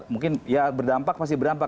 mungkin ya berdampak pasti berdampak